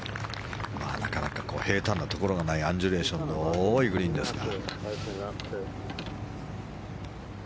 なかなか、平坦なところのないアンジュレーションの多いグリーンですが。